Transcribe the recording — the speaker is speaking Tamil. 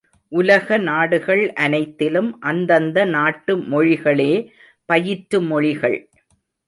உலக நாடுகள் அனைத்திலும் அந்தந்த நாட்டு மொழிகளே பயிற்று மொழிகள்!